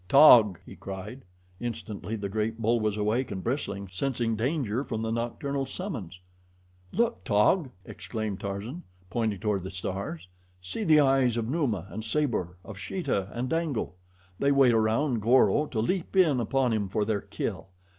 "Taug!" he cried. Instantly the great bull was awake and bristling, sensing danger from the nocturnal summons. "Look, Taug!" exclaimed Tarzan, pointing toward the stars. "See the eyes of Numa and Sabor, of Sheeta and Dango. They wait around Goro to leap in upon him for their kill.